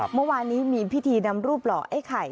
เมื่อวานนี้มีพิธีนำรูปหล่อไอ้ไข่